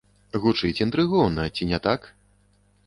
Гучыць інтрыгоўна, ці не так?